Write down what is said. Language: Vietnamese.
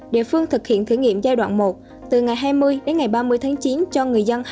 địa phương thực hiện thử nghiệm giai đoạn một từ ngày hai mươi ba mươi chín cho người dân